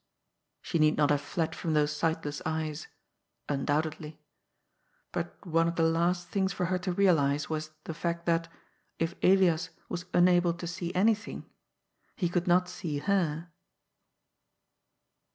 She need not have fled from those sightless eyes. Un doubtedly. But one of the last things for her to realize was the fact that, if Elias was unable to see anything, he could not see her.